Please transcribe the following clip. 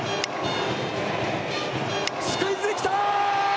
スクイズで、きた！